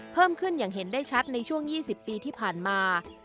เพิ่มขึ้นอย่างเห็นได้ชัดในช่วง๒๐ปีที่ผ่านมา